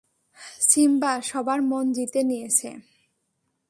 Simba সবার মন জিতে নিয়েছে।